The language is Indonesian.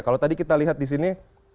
kalau tadi kita lihat disini